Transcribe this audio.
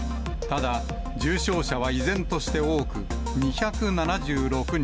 重症者は依然として多く、２７６人。